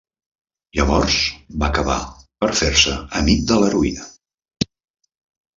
Llavors va acabar per fer-se amic de l'heroïna